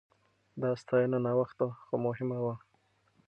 دا ستاينه ناوخته خو مهمه وه.